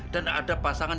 dan ada pasangan